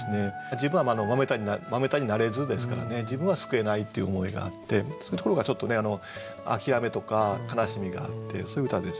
自分は「『豆太』になれず」ですからね自分は救えないっていう思いがあってそういうところがちょっとね諦めとか悲しみがあってそういう歌ですよね。